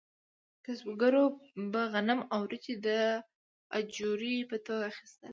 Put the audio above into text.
کسبګرو به غنم او وریجې د اجورې په توګه اخیستل.